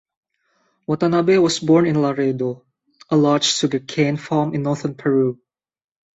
Watanabe was born in Laredo, a large sugar cane farm in northern Peru.